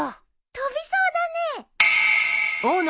飛びそうだねえ。